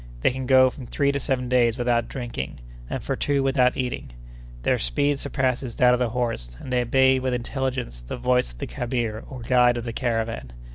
They can go from three to seven days without drinking, and for two without eating. Their speed surpasses that of the horse, and they obey with intelligence the voice of the khabir, or guide of the caravan.